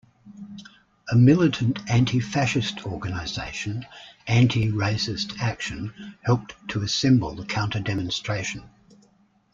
A militant anti-fascist organization Anti-Racist Action helped to assemble the counter-demonstration.